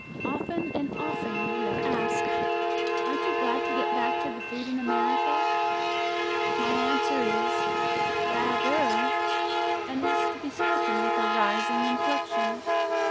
Often and often we are asked, "Aren't you glad to get back to the food in America?" My answer is, "Rather," and it is to be spoken with a rising inflection.